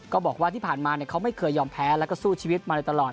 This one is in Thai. ก็บอกว่าที่ผ่านมาเขาไม่เคยยอมแพ้แล้วก็สู้ชีวิตมาเลยตลอด